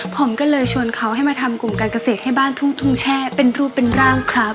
ผมก็เลยชวนเขาให้มาทำกลุ่มการเกษตรให้บ้านทุ่งแช่เป็นรูปเป็นร่างครับ